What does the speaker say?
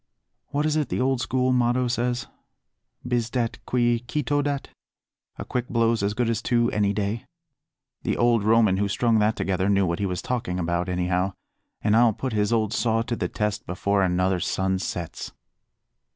What is it the old school motto says? 'bis dat qui cito dat,' 'a quick blow's as good as two any day.' The old Roman who strung that together knew what he was talking about, anyhow, and I'll put his old saw to the test before another sun sets."